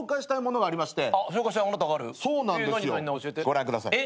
ご覧ください。